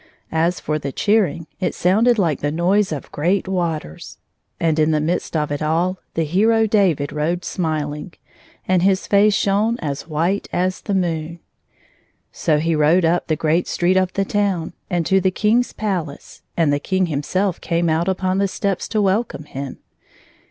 As for the cheering, it sounded like the noise of great waters. And in the midst of it all the hero David rode smiling, and his face shone as white as the moon. So he rode up the great street of the town, and to the King's palace. And the King himself came out upon the steps to welcome him.